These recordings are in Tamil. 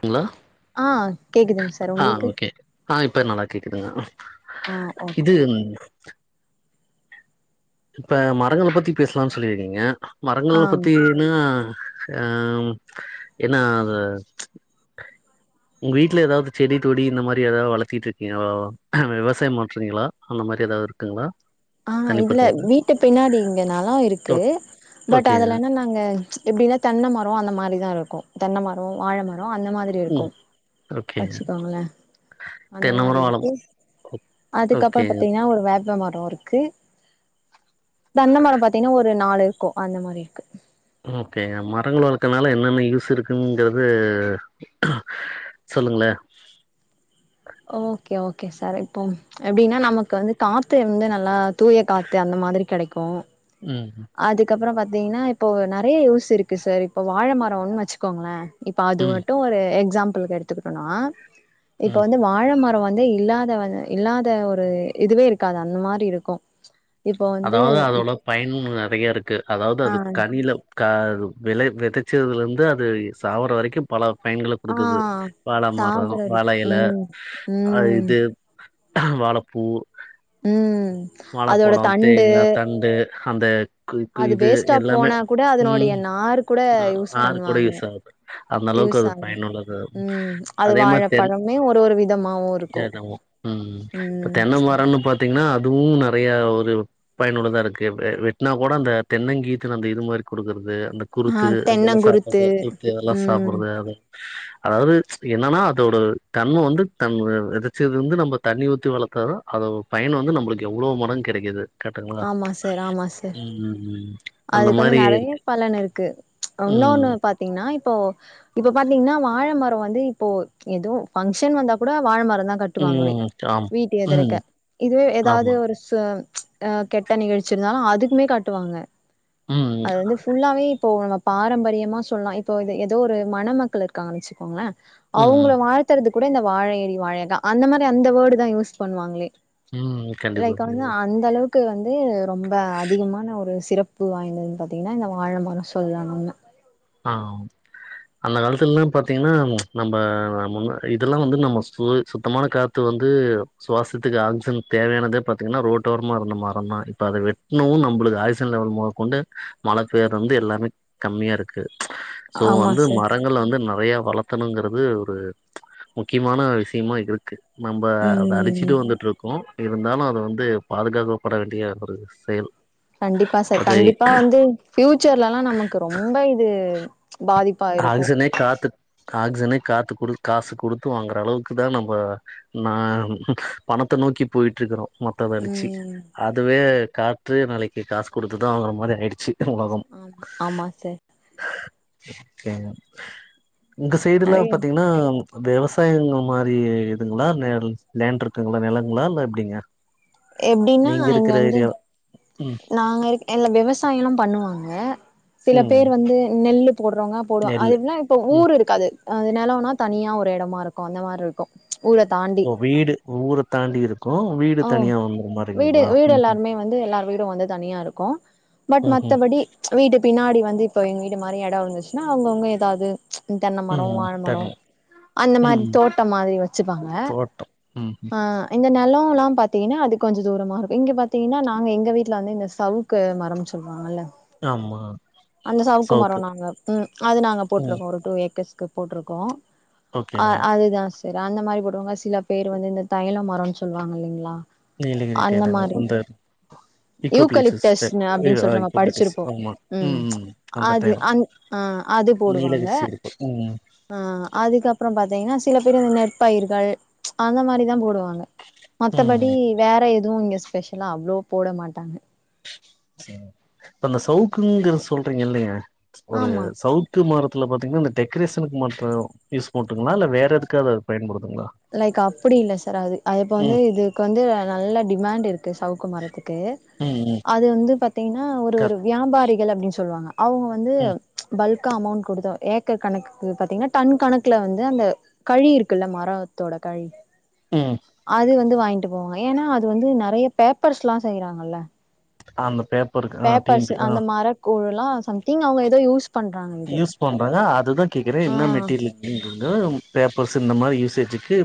ங்களா ஆ கேக்குதுங்க சார் ஆ உங்களுக்கு ஓகே ஆ இப்ப நல்லா கேக்குதுங்க ஆ ஓகே இது ஓகே இப்ப மரங்கள பத்தி பேசலான்னு சொல்லிருக்கீங்க ஆ மரங்கள பத்தி என்ன ஆ ம் என்ன அது உங்க வீட்டுல ஏதாவது செடி கொடி இந்த மாரி ஏதா வளத்திட்டு இருக்கீங்களா விவசாயம் பண்றீங்களா அந்த மாரி ஏதாது இருக்குங்களா ஆ ஹ இல்ல தனிப்பட்டது வீட்டு பின்னாடி இங்க நெலோ இருக்கு பட் ஓகேங்க அதுல என்னனா அங்க எப்டின்னா தென்ன மரோ அந்த மாரிதா இருக்கு தென்ன மரோ வாழமரோ அந்த மாரி இருக்கு ம் ஓகேங்க வச்சுக்கோங்களே அந்த தென்ன மாரி மரம் வாழ ம இருக்கு அதுக்கப்பறோ ஓகேங்க பாத்தீங்கனா ஒரு வேப்பமரோ இருக் கு தென்னமரோ பாத்தீங்கனா ஒரு நாலு இருக்கு அந்த மாரி இருக்கு ஓகே மரங்கள் வளக்கறனால என்னென்ன யூஸ் இருக்குங்கிறது சொல்லுங்களே ஓகே ஓகே சார் இப்போ எப்டின்னா நமக்கு வந்து காத்து வந்து நல்லா தூய காத்து அந்த மாதிரி கெடைக்கு ம் ம் அதுக்கப்பறோ பாத்தீங்கனா இப்போ நெறைய யூஸ் இருக்கு சார் இப்போ வாழ மரோ ஒன்னு வச்சுக்கோங்களே இப்ப அது ம் மட்டு ஒரு எக்ஸாம்பிள்கு எடுத்துக்கிட்டோனா ம் இப்ப வந்து வாழ ம ரோ வந்து இல்லாத வ இல்லாத ஒரு இதுவே இருக்காது அந்த மாரி இருக்கு இப்போ வந்து அதாவது அதோட பயன் நெறைய இருக்கு அதாவது ஆ அது கனில கா அது வெலை வெத வெதச்சதுலேருந்து அது இ சாவுற வரைக்கு பல பயன்களை ஆ குடுக்குது வாழ மரோ சாகுற வாழ இருக்கு இலை ம் அ ம் இது வாழ பூ ம் வாழ அதோட பழோ தண்டு தேங்கா தண்டு அந்த கு கு அது இது வேஸ்ட்டா எல்லாமே போனா கூட அதனுடைய ம் நார் கூட அ யூஸ் ஆறு கூட பண்ணுவாங்க யூஸ் ஆகுது அந்த அளவுக்கு யூஸ் அது ஆகுது பயனுள்ளது ம் அது அதே மாரி தென் வாழப்பழமே ஒரு ஒரு விதமாவு இருக்கு தேங்காவு ம் இப்ப ம் தென்ன மரனு பாத்தீங்கனா அதுவு நெறையா ஒரு பயனுள்ளதா இருக்கு வெ வெட்டனா கூட அந்த தென்னங்கீத்து அந்த இது மாரி குடுக்குறது அந்த ஆ குருத்து இதெல்லா தென்னங்குருத்து சாப்பற குருத்து அதெல்லா ம் சாப்பறது அது அதாவது என்னன்னா அதோட தன்ம வந்து தன் வ வெதச்சது வந்து நம்ம தண்ணி ஊத்தி வளக்கதா அத பயன் வந்து நம்மளுக்கு எவ்ளோ மடங்கு கெடைக்குது கரெட்டுங்களா ஆமா சார் ஆமா சார் ம் ம் அந்த அதுக்கு வந்து மாரி நெறைய இருக்கு பலன் இருக்கு ம் இன்னொன்று பாத்தீங்கனா இப்போ இப்போ பாத்தீங்கன்னா வாழமரோ வந்து இப்போ எதோ ஃபங்க்ஷன் வந்தா கூட வாழமர தா கட் டுவாங்களே ம் ஆம் வீட்டு ம் எதிரக்க இதுவே எதாவது ஆமா ஒரு சுவோ அ கெட்ட நிகழ்ச்சிருந்தாலு அதுக்குமே கட்டுவாங்க ம் அது வந்து ஃபுல்லாவே இப்போ நம்ம பாரம்பரியமா சொல்லலா இப்போ இது எதோ ஒரு மண மக்கள் இருக்காங்கன்னு வச்சுக்கோங்களே ம் ம் அவுங்கள வாழ்த்தறது கூட இந்த வாழையடி வாழையதா அந்த மாரி அந்த வேர்டு தா யூஸ் பண்ணுவாங்களே ம் கண்டிப்பா லைக் வந்து கண்டிப்பா அந்த அளவுக்கு வந்து ரொம்ப அதிகமான ஒரு சிறப் பு வாய்ந்ததுனு பாத்தீங்கனா இந்த வாழமரோ சொல்லலா நம்ம ஆ அந்த காலத்துலல்லா பாத்தீங்கன்னா நம்ம முன் இதெல்லா வந்து நம்ம சு சுத்தமான காத் து வந்து சுவாசத்துக்கு ஆக்சிஜன் தேவையானதே பாத்தீங்கன்னா ரோட்டோரமா இருந்த மரந் தா இப்ப அத வெட் இன்னு நம்மளுக்கு ஆக்சிஜன் லெவல் மொத கொண்டு மழ பெய்றலிருந்து எல்லாமே கம்மியா இரு க்கு சோ ஆமா வந்து சார் மரங்கள வந்து நெறையா வள த்தணுங்கிறது ஒரு முக்கியமான விஷயமா இருக்கு நம்ம அத ம் அழிச்சிட்டு வந்துட்ருக்கோ இருந்தாலு அது வந்து பாதுகாக்கப்பட வேண்டிய ஒரு செயல் கண்டிப்பா சார் அது கண்டிப்பா வந்து ஃபியூச்சர்லல்லா நமக்கு ரொம்ப இது பாதிப்பு ஆக்சிஜனே காத்து ஆக்சிஜனே காத்து குடு காசு குடுத்து வாங்குற அளவுக்கு தா நம்ப நா பணத்த நோக்கி போயிட்ருக்குறோ மொத்த இத அளிச்சு ம் அதுவே காற்று நாளைக்கு காசு குடுத்துதா வாங்குற மாரி ஆயிடுச்சு உலகம் ஆம் ஆமா சார் இந்த சைடெல்லா நெறைய பாத்தீங்கன்னா விவசாயங்கள் மாரி இதுங்களா இல்ல லேண்ட் இருக்குங்களா நிலங்களா இல்ல எப்டிங்க எப்டின்னா நீங்க இங்க இருக்குற வந்து ஏரியா ம் நாங்க இருக் இல்ல விவசாயோல்லா பண்ணுவாங்க சில ம் பேர் வந்து நெல்லு போடுறவுங்க போடுவே அது நெல்லு எப்டினா இப்ப ம் ஊர் இருக்காது அது நெலனோ தனியா ஒரு எடமா இருக்கு அந்த மார்ருக்கு ஊர தாண்டி ஒ வீடு ஊர தாண்டி இருக்கு வீடு ஓ தனியா வந்துர்ற மாரி வீடு வீடு எல்லாருமே வந்து எல்லாரு வீடு வந்து தனியா இருக்கு பட் ம் மத்தபடி வீடு பின்னாடி வந்து இப்ப எங்க வீடு மாரி எடோ இருந்துச்சுன்னா அவுங்கவுங்க எதாவது தென்ன ம் மரோ ம் வாழ மரோ தெனம் அந்த மாரி ம் தோட்டம் மாதிரி வச்சுப்பாங்க தோட்டம் ம் ஆ எங்க நெலொலா பாத்தீங்கன்னா அது கொஞ்ச தூரமா இருக்கு இங்க பாத்தீங்கன்னா நாங்க எங்க வீட் வீட்ல வந்து இந்த சவுக்கு மரம் சொல்லுவாங்கல்ல ஆமா அந்த சவுக்கு மரோ சவுத்து நாங்க ம் அது நாங்க ம் போட்ருக்கோ ஒரு டூ ஏக்கர்ஸ்கு போட்ருக்கோ ஓகே அ அதுதா ர் அந்த மாரி போடுவாங்க சில பேர் வந்து இந்த தைலோ மரோன்னு சொல்லுவாங்க இல்லைங்ளா நீலகிரிட்ட என்னங்க இந்த இக்கோபிலஸ்க் யூக்கலிப்டஸ் அப்டின்னு அ சொல்ட்டு நம்ம இக்கோபிடிஸ் படிச்சிருப்போ ஆமா ம் ம் அந்த அது டைம் அந் ஆ அது போடுவாங்க நீலகிரி சைடு இருக்கு ம் ம் ஆ அதுக்கு அப்பறோ பாத்தீங்கன்னா சில பேர் இந்த நெற்பயிர்கள் அந்த மாரி தா போடுவாங்க மத்தபடி ம் வேற எதுவு இங்க ஸ்பெஷலா அவ்ளோ போட மாட்டாங்க ம் இப்ப அந்த சவுக்குங்கிறது சொல்றீங்க இல்லைங்க ஒரு ஆமா சவுக் க்கு மரத்துல பாத்தீங்கன்னா இந்த டெக்கரேஷனுக்கு மட்டு யூஸ் பண்ணட்டுங்களா இல்ல வேற எதுக்காது அது பயன்படுதுங்களா லைக் அப்புடி இல்ல சார் அது அது இப்போ வந்து ம் இதுக்கு வந்து நல்ல டிமாண்ட் இருக்கு சவுக்கு மரத்துக்கு ம் ம் அது வந்து பாத்தீங்கன்னா ஒரு ஒரு கரெக்ட் வியாபாரிகள் அப்டின்னு சொல்லுவாங்க அவுங்க வந்து ம் பல்க் க்கு அமௌண்ட் குடுத்து ஏக்கர் கணக்கு பாத்தீங்கன்னா டன் கணக்குல வந்து அந்த கழி இருக்குல்ல மர த்தோட கழி ம் அது வந்து வாங்கிட்டு போவாங்க ஏன்னா அது வந்து நெறையா பேப்பர்ஸ்லா செய்றாங்கல்ல அந்த பேப் பேப்பர்ஸ் அந்த மர கூழலா சம்திங் அவுங்க எதோ யூஸ் பண்றாங்க இது யூஸ் பண்றாங்க அதுதா கேக்குறே ஆ என்ன மெட்டீரியல் அப்டின்றது தா பேப்பர்ஸ்சு இந்த மாதிரி யூசேஜ்க்கு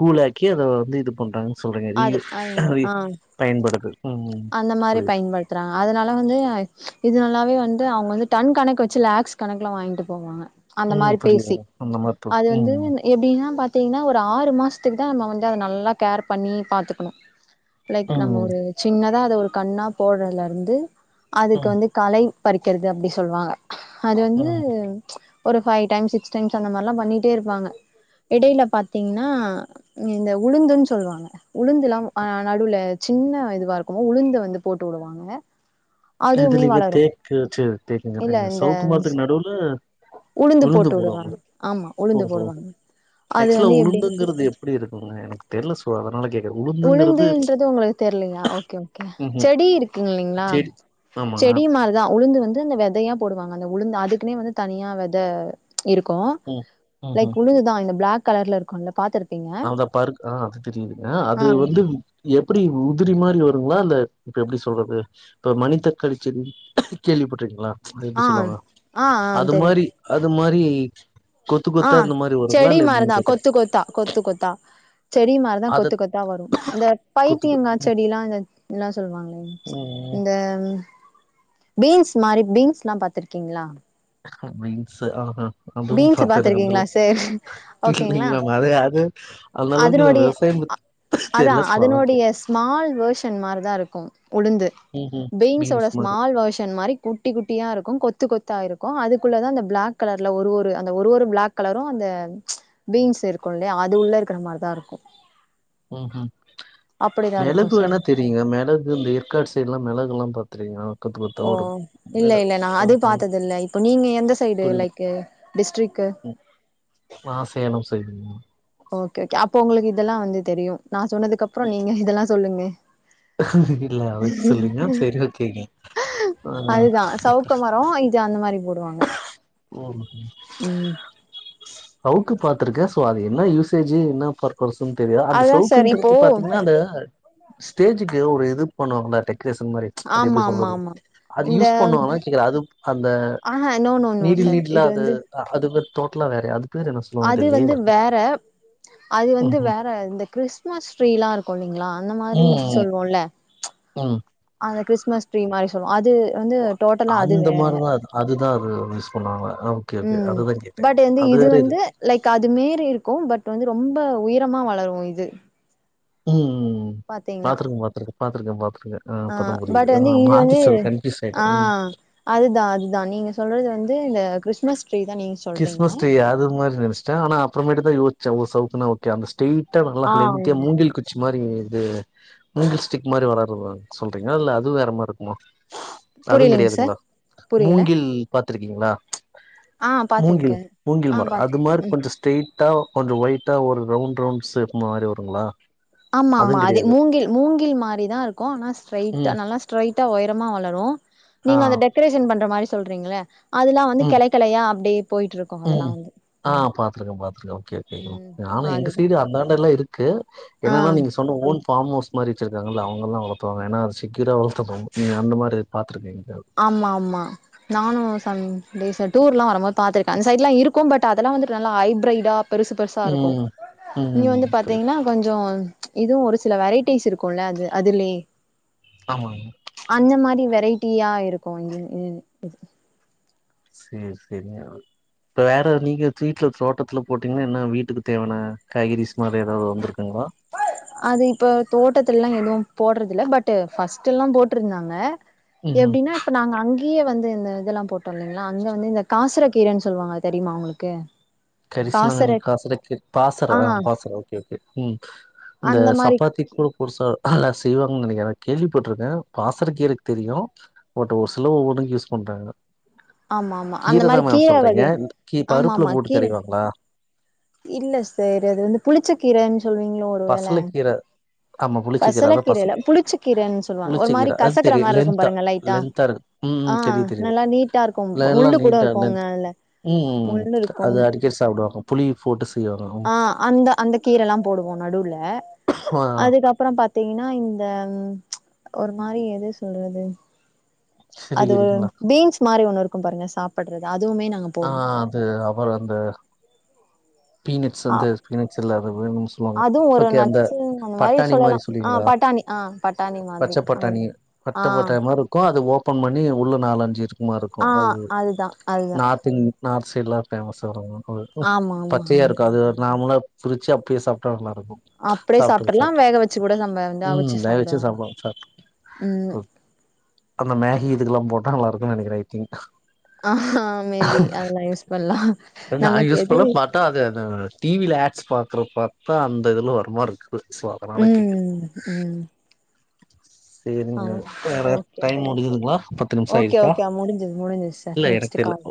கூழாக்கி அத வந்து இது பண்றாங்க சொல்றீங்க ரீ அது யூஸ் அது ரீ ஆ பயன்படுது ம் அந்த மாரி புரியுது பயன்படுது த்துறாங்க அதுனால வந்து இது நல்லாவே வந்து அவுங்க வந்து டன் கணக்கு வச்சு லாக்ஸ் கணக்குல்லா வாங்கிட்டு போவாங்க அந்த ம் மாரி புரியுது பேசி அந்த மாரிதா அது வந்து ம் எப்டின்னா பாத்திங்னா ஒரு ஆறு மாஸ்துக்கு தா நம்ம வந்து அத நல்லா கேர் பண்ணி பாத்துக்கணு லைக் நம்ம ம் ஒரு சின்னதா அத ஒரு கண்ணா போட்றதுல இருந்து அதுக்கு ம் வந்து கலை பறிக்கிறது அப்டி சொல்லுவாங்க அது வந்து ம் ஒரு ஃபைவ் டைம்ஸ் சிக்ஸ் டைம்ஸ் அந்த மாரிலா பண்ணிட்டே இருப்பாங்க எடைல பாத்திங்னா இந்த உளுந்துன்னு சொல்வாங்க உளுந்துலா ஆ நடுவுல சின்ன இதுவா இருக்குமோ உளுந்த வந்து போட்டு வுடுவாங்க அதுவுமே இதுலங்க வளரு தேக்கு வச்சு இல்ல தேக்குங்கறே இந்த சவுக்கு மரத்துக்கு நடுவுல உளுந்து போட்டு போடுவாங்ளோ வுடுவாங்க ஆமா உளுந்து ஓஹோ போடுவாங்க அது நெக்ஸ்ல வந்து எப்டி உளுந்துங்கிறது எ அப்டி இருக்குங்க எனக்கு தெர்ல சோ அதனால கேக்குறே உளுந்துங்கிறது உளுந்துன்றது உங்ளுக் தெர்லயா ஓகே ஓகே ம்ஹூம் செடி இருக்குங்கில்லைங்ளா செடி ஆமா செடி மாரிதா உளுந்து வந்து அந்த வெதையா போடுவாங்க அந்த உளுந்து அதுக்குனே வந்து தனியா வெத இருக்கு ம் ம்ஹூம் லைக் உளுந்துதா இந்த பிளாக் கலர்ல இருக்குல பாத்துருப்பீங்க இந்த பர்க் ஆ அது தெரியுதுங்க ஆ அது வந்து எப்டி உதிரி மாரி வருங்ளா இல்ல இப்ப எப்டி சொல்றது இப்ப மனித்தக்காளி செடி கேள்விப்பட்ருகிங்ளா அது எப்டி ஆ சொல்வாங்க ஆ ஆ அது தெரியு மாரி அது மாரி கொத்து ஆ கொத்தா இந்த மாரி வருங்ளா செடி இல்ல எப்டின் மாரிதா கேக்றே கொத்து கொத்தா கொத்து கொத்தா செடி மாரிதா அத கொத்து கொத்தா வரு இந்த பைத்தியங்கா கொத்துக்கு செடிலா இந்த இன்ன சொல்வாங்க ம் இந்த பீன்ஸ் மாரி பீன்ஸ்லா பாத்ருக்கீங்ளா பீன்ஸ்ஸு ஆ ஆ அதுவு பீன்ஸ் பாத்தலிங்க பாத்திருக்கீங்களா அந்தளவு சேரி இல்லைங் ஓகேங்களா மேம் அதைய அது அந்த அளவுக்கு அதனுடைய விவசாயம் அதா தெர்ல சோ அதுனோடய கேட்டே ஸ் மால் வோர்ஷன் மாரி தா இருக்கு உளுந்து ம் ம் பீன்ஸோட பீன்ஸ் மாரி ஸ்மால் வோர்ஷன் மாரி குட் குட்டி குட்டியா இருக்கு கொத்து கொத்தா இருக்கு அதுக்குள்ளதா இந்த பிளாக் கலர் ல ஒரு ஒரு அந்த ஒரு ஒரு பிளாக் கலரு அந்த பீன்ஸ் இருக்குல்லைய அது உள்ள இருக்கிற மாரிதா இருக்கு ம் ம் அப்படிதா இருக்கு மெளகு சார் வேணா தெரியுங்க மெளகு இந்த எற்காடு சைடு்லா மெளகுலா பாத் தெரியுங்க கொத்து கொத் ஓ இல்ல இல்ல நா அது பாத்ததில்ல இப்போ நீங்க எந்த சைடு கொல்லுங்க லைக் டிஸ்ட்ரிக்கு நா சேலம் சைடுங்க ஓகே ஓகே அப்போ ஒங்ளுக்கு இதெல்லா வந்து தெரியு நா சொன்னதுக்கு அப்றொ நீங்க இதெல்லா சொல்லுங்க இல்ல அதுக்கு சொல்றிங்க செரி ஓகேங்கெ அதுதா சவுக்க மரோ இது அந்த மாரி போடுவாங்க [unintelligible] ம் சவுக்கு பாத்துருக்கே சோ அது என்ன யூசேஜு என்ன பர் பசுனு தெரியா அந்த அதுதா சார் இப்போ சவுக்குங்றது பாத்திங்கனா அந்த ஸ்டேஜுக்கு ஒரு இது பண்ணுவாங்ள டெக்ரேஷன் மாரி அது ஆமா எப்டி ஆமா சொல்றது ஆமா அது யூஸ் பண்ணுவானா கேக்றே அது அந்த அ அ no no no needle sir நீடிலா இது அது வந்து அது டோட்டலா வேறயா அது பேர் என்ன சொல்லுவாங்கன்னு அது தெர்லயே வந்து வேற அது வந்து ம்ஹும் வேற இந்த கிறிஸ்மஸ் ட்ரீலா இருக்கு இல்லைங்ளா அந்த மாரி ம் சொல்லுவோல ம் அந்த கிறிஸ்மஸ் ட்ரீ மாரி சொல்லுவோ அது வந்து டோட்டலா அது அந்த வேற மாரிதா அதுதா அது யூஸ் பண்ணுவாங்க ஓகே ஓகே ம் அதுதா கேட்டே பட் வந்து அது இது வேற வந்து லைக் அது மேறி இருக்கூ பட் வந்து ரொம்ப உயரமா வளரு இது ம் ம் பாத்தீங்கன்னா பாத்துருக்கே பாத்துருக்கே பாத்துருக்கே பாத்துருக்கே ஆ இப்பதாபுரியுது பட் வந்து இது மாத்தி வந்து சொல்ட கன்ப்யூஸ் ஆயிடே ஆ அதுதா அதுதா நீங்க சொல்றது வந்து இந்த கிறிஸ்மஸ் ட்ரீ தா நீங்க சொல்றீங்க கிறிஸ்மஸ் ட்ரீ அதுமாரி நெனச்சடே ஆன அப்றமேட்டுதா யோஸ்சே சவுக்கனா ஓகே அந்த ஸ்டெய்ட் டா நல்லா ஆ லென்தியா மூங்கில் குச் சி மாரி இது மூங்கில் ஸ்டிக் மாரி வளரு சொல்றீங்களா இல்ல அது வேற மார்ருக்குமா புரியலைங்க சார் அதுங்கெடையாதுங்ளா புரியல மூங்கில் பாத்துருக்கீங்ளா ஆ மூங்கில் பாத்திருக்கே மூங்கில் ஆ மரொ பாத்து அது மாரி ம் கொஞ்ச ஸ்ட்ரைட்டா கொஞ்ச ஒயிட்டா ஒரு ரவுண்ட் ரவுண்ட் ஸ்சேப் மாரி வருங்களா ஆமா ஆமா அதுவு அதே கெடையாது மூங்கில் மூங்கில் மாரிதா இருக்கூ ஆனா ஸ்ட்ரைட்டா ம் நல்லா ஸ்ட்ரைட்டா ஒயரமா வளரு ஆ நீங்க அந்த டெக்கரேஷன் பண்ற மாரி சொல்றீங்கள அதெல்லா வந்து ம் கெளைக் கெளையா அப்டே போயிட்ருக் ம் ஆ பாத்துருக்கே பாத்துருக்கே ஓகே ம் ஆனா எங்க அதுதா சைடு அந்தாண்டல இருக் க்கு ஆ என்னன்னா நீங்க சொ தன்னு ஓன் பார்ம் ஹவுஸ் மாரி வச்சுருக்காங்கல்ல அவுங்கல்லா வளத்துவாங்க ஏன்னா அது செக்கயூரா வளர்த்த்பா நீ அந்த மாரி பாத்திருக்க இங்க ஆமா ஆமா நானு சம்டேஸ் டூர்லா வரம்போது பா்த்திருக்கே அந்த சைட்லா இருக்கத பட் அதெல்லாம் வந்துட்டு நல்லா ஹைப்ரைடா பெருசு பெருசு தா இருக்கூ ம் நீங்க ம் வந்து புரியுது பாத்தீங்ன்னா கொஞ்சோ இதுவு ஒரு சில வெரைட்டிஸ் இருக்கூல அது அதுலயே ஆமாங்க அந்த மாரி வெரைட்டியா இருக்கூ சேரி சேரி ங்க இப்ப வேற நீங்க வீட்டுல தோட்டத்துல போட்டீங்கன்னா என்ன வீட்டுக்கு தேவான காய்கறிஸ் மாரி ஏதாவ்து வந்திருக்குங்ளா அது இப்ப தோட்டத்துல எல்லா எதுவும் போட்றது இல்ல பட் ஃபஸ்ட் எல்லாம் போட்ருந்தாங்க ம்ஹும் எப்டின்னா இப்போ நாங்க அங்கேயே வந்து இந்த இதெல்லாம் போட்டோ இல்லைங்ளா அங்கே வந்து இந்த காசர கீரைன்னு சொல்லுவாங்க தெரியுமா உங்களுக்கு காசர கரிசுலாங்கண்ணி காசுரைக்கு பாசற ஆ பாசற ஓகே ஓகே ம் இந்த அந்த மாரி சப்பாத்தி கு புதுசால்லா செய்வாங்கன்னு நெனைக்கிறே கேள்விப்பட்ருக்கே பாசரக்கீரக்கு தெரியு பட் ஒரு சில ஒவ்வொன்னுக்கு யூஸ் பண்றாங்க ஆமா ஆமா அந்த கீரதா மாரி மேம் கீர சொல்றீங்க வகை கீ ஆமா பருப்புல ஆமா போட்டு கீர கடைவாங்ளா இல்ல சார் அது வந்து புளிச்சக்கீரைன்னு சொல்லுவீங்ளோ பசல கீர பசல கீரயில்ல புளிச்ச கீரன்னு சொல்லுவாங்க ஒரு மாரி புளிச்சக்கீர அது கசக்குற தெரியு மாரி லென்த்தா இருக்கூபாருங்க லைட்டா லென்த்தா இருக்கு ம் ம் ஆ தெரியு தெரியு நல்லா நீட்டா இருக்கூ எல்லா முள்ளு கூட நீட்டா இருக்கூங்க லென்த் அதுல்ல ம் ம் ம் அது அடிக்கடி சாப்டுவாங்க புளி போட்டு செய்வாங்க ஆ அந்த அந்த கீர எல்லாம் போடுவோ நடுவுல ஆ அதுக்கப்பறம் ப்பறம் பாத்தீங்கன்னா இந்த ஒரு மாரி எது சொல்றது அது ஒரு சிறுகீரைங்களா பீன்ஸ் மாரி ஒண்ணு இருக்கும் பாருங்க சாப்பட்றது அதுவுமே நாங்க ஆ போடுவோ அது அப்பறொ அந்த பீனட்ஸ் அ வந்தூ பீனட்ஸ் இல்ல அது வேரென்னமோ சொல்லுவாங்க அதுவு ஒரு ஓகே அந்த நட்ஸு அந்த பட்டாணி சொல்லலா மாரி ஆ சொல்லுவீங்களா பட்டாணி ஆ பட்டாணி மாதிரி பச்ச அது பட்டாணி ஆ பட்டப்பட்ட மாறி இருக்கூ அது ஓபன் பண்ணி உள்ள நாலஞ்சு இருக் [unintelligible] இருக்கு ஆ அது அதுதா அதுதா நார்த் இன் நார்த் சைட்ல்லா பேமஸ்ஸா வரு ஆமா ஆமா பச்சையா ஆமா இருக்கு அது நார்மள பிரிச்சு அப்டியே சாப்ட்டா நல்லா இருக்கு அப்டியே சாப்ட்டுங்க சாப்ட்டுற்லா சாப்ட்டுங்க வேக வச்சு கூட நம்ம வந்து ம் அவிச்சு வேக வச்சு சாப்டுவாங்க ம் சாப்ட்டு அந்த மேகி இதுக்ல்லா போட்டா நல்ல இருக்குன்னு நெனைக்றே ஐ திங்க் அ மேபி அதல்லா யூஸ் பண்லா நமக்கு எது உட்டா அது அது டீவியில ஆட்ஸ் பாக்ற பாத்தா அந்த இதுல வரமாரிருக்கு சாதனானக் கைகள் ம் அ ஓக் ஓகே டைம் முடியுதுங்களா பத்து நிமிஷோ ஓக்கே ஆயிருச்சா ஓகே முடிஞ்சுது முடிஞ்சுது சார் இல்ல எனக்கு நெக்ஸ்ட்டு தெர்ல கால்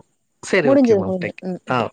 சேரி ஓகே முடிஞ்சுது மேம் முடிஞ்சுது தேங்க்யூ ம் ஆ ம்